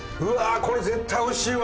これ絶対おいしいわ！